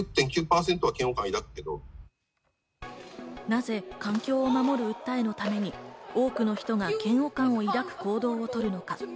なぜ環境守る訴えのために多くの人が嫌悪感を抱く行動をとるのか？